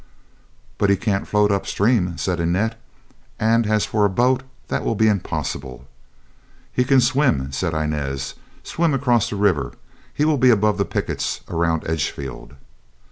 "But he can't float up stream," said Annette, "and as for a boat, that will be impossible." "He can swim," said Inez, "swim across the river. He will be above the pickets around Edgefield."